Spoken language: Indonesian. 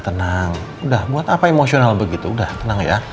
tenang udah buat apa emosional begitu udah tenang ya